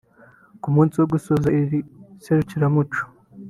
Ku munsi wo gusoza iri serukiramuco